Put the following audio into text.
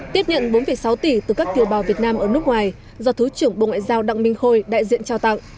tiếp nhận bốn sáu tỷ từ các kiều bào việt nam ở nước ngoài do thứ trưởng bộ ngoại giao đặng minh khôi đại diện trao tặng